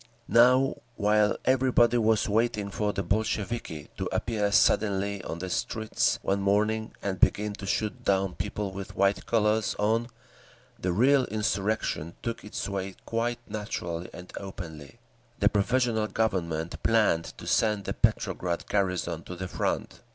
Now while everybody was waiting for the Bolsheviki to appear suddenly on the streets one morning and begin to shoot down people with white collars on, the real insurrection took its way quite naturally and openly. The Provisional Government planned to send the Petrograd garrison to the front.